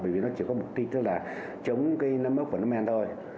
bởi vì nó chỉ có mục tiêu là chống cái nấm ốc của nấm men thôi